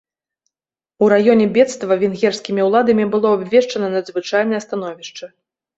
У раёне бедства венгерскімі ўладамі было абвешчана надзвычайнае становішча.